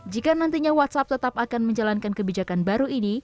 jika nantinya whatsapp tetap akan menjalankan kebijakan baru ini